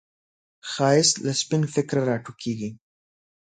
ښایست له سپین فکره راټوکېږي